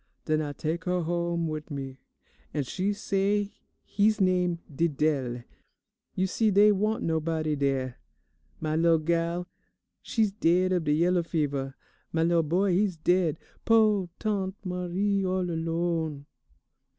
Den I tak' her home wid me, and she say he's name Didele. You see dey wa'nt nobody dere. My lil' gal, she's daid of de yellow fever; my lil' boy, he's daid, po' Tante Marie all alone.